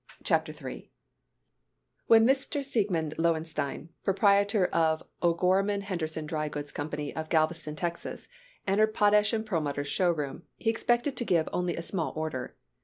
CHAPTER III When Mr. Siegmund Lowenstein, proprietor of the O'Gorman Henderson Dry Goods Company of Galveston, Texas, entered Potash & Perlmutter's show room, he expected to give only a small order.